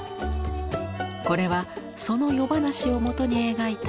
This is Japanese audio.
これはその夜噺をもとに描いた一枚。